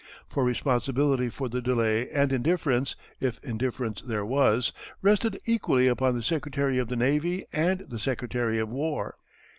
For responsibility for the delay and indifference if indifference there was rested equally upon the Secretary of the Navy and the Secretary of War.